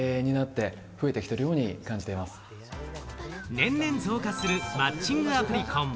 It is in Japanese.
年々増加するマッチングアプリ婚。